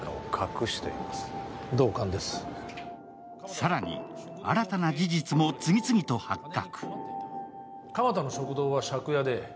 更に、新たな事実も次々と発覚。